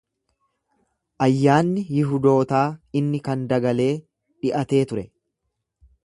Ayyaanni Yihudootaa inni kan Dagalee dhi’atee ture.